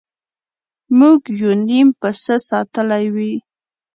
موږ یو نیم پسه ساتلی وي.